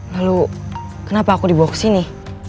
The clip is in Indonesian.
lalu kenapa aku dibawa kesini